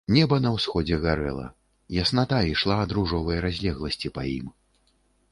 Неба на ўсходзе гарэла, ясната ішла ад ружовай разлегласці па ім.